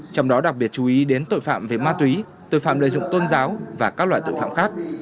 trong đó đặc biệt chú ý đến tội phạm về ma túy tội phạm lợi dụng tôn giáo và các loại tội phạm khác